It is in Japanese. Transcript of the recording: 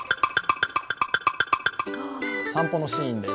散歩のシーンです。